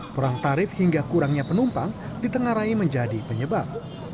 perang tarif hingga kurangnya penumpang ditengarai menjadi penyebar